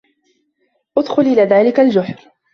ادخل إلى ذلك الجحر.